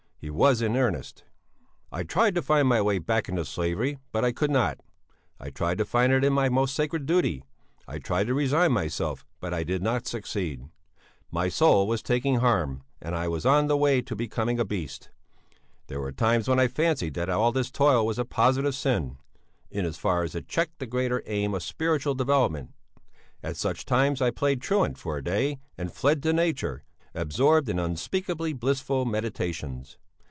He was in earnest! "'I tried to find my way back into slavery, but I could not. I tried to find in it my most sacred duty; I tried to resign myself, but I did not succeed. My soul was taking harm, and I was on the way to becoming a beast; there were times when I fancied that all this toil was a positive sin, in as far as it checked the greater aim of spiritual development; at such times I played truant for a day, and fled to nature, absorbed in unspeakably blissful meditations.